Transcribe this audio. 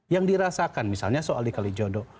yang dirasakan misalnya soal di kalijodo